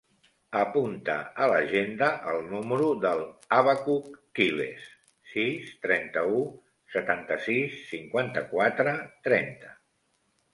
Apunta a l'agenda el número del Abacuc Quilez: sis, trenta-u, setanta-sis, cinquanta-quatre, trenta.